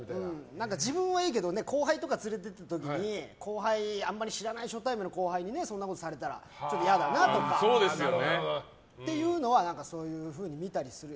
自分はいいけど後輩を連れて行った時に後輩、あんまり初対面の後輩にそんなことされたら嫌だなっていうのはそういうふうに見たりする。